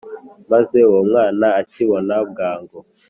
Maze uwo mwana akibona bwangu